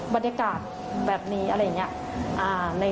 บรรยากาศแบบนี้อะไรอย่างนี้